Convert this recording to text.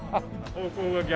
方向が逆。